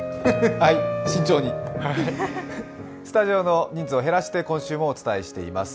スタジオの人数を減らして今週もお伝えしています。